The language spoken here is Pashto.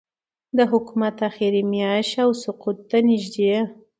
د حکومت آخري میاشت او سقوط ته نږدې